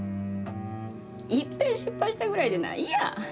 いっぺん失敗したぐらいでなんや。